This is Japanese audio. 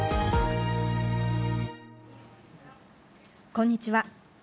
こんにちは。